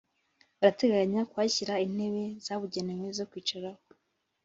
Barateganya kuhashyira intebe zabugenewe zo kwicaraho